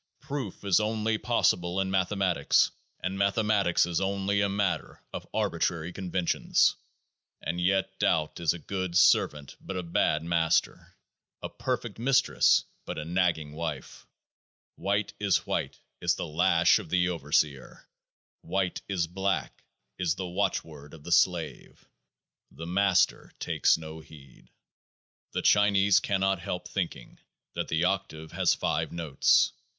Proof is only possible in mathematics, and mathematics is only a matter of arbitrary conventions. And yet doubt is a good servant but a bad master ; a perfect mistress, but a nagging wife. " White is white " is the lash of the overseer :" white is black " is the watchword of the slave. The Master takes no heed. 58 The Chinese cannot help thinking that the octave has 5 notes.